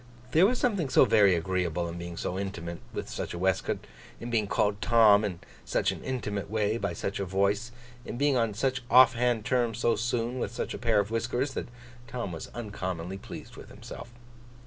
There was something so very agreeable in being so intimate with such a waistcoat; in being called Tom, in such an intimate way, by such a voice; in being on such off hand terms so soon, with such a pair of whiskers; that Tom was uncommonly pleased with himself.